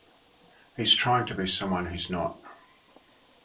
He's trying to be someone he's not.